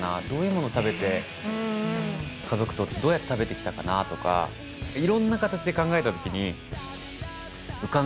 どういうものを食べて家族とどうやって食べてきたかな？とか色んな形で考えた時に。